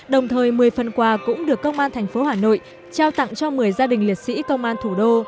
đồng thời một mươi phần quà cũng được công an thành phố hà nội trao tặng cho một mươi gia đình liệt sĩ công an thủ đô